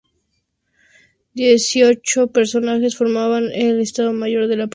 Dieciocho personas formaban el estado mayor de la primera y quince de la segunda.